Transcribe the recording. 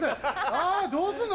あどうすんの？